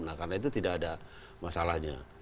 nah karena itu tidak ada masalahnya